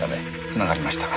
つながりました。